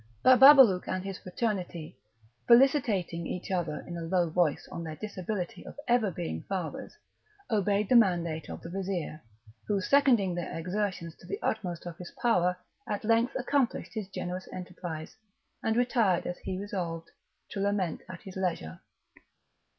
Bababalouk and his fraternity, felicitating each other in a low voice on their disability of ever being fathers, obeyed the mandate of the vizir; who, seconding their exertions to the utmost of his power, at length accomplished his generous enterprise, and retired as he resolved, to lament at his leisure.